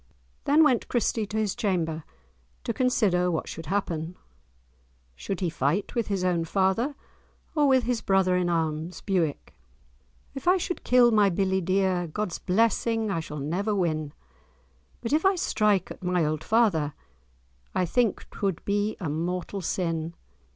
Then went Christie to his chamber, to consider what should happen. Should he fight with his own father, or with his brother in arms, Bewick? "If I should kill my billie dear, God's blessing I shall never win; But if I strike at my auld father, I think 'twould be a mortal sin.